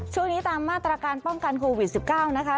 ช่วงนี้ตามมาตรการป้องกันโควิด๑๙นะคะ